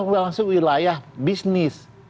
sudah berlangsung wilayah bisnis